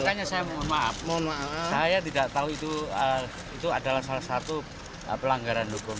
makanya saya mohon maaf saya tidak tahu itu adalah salah satu pelanggaran hukum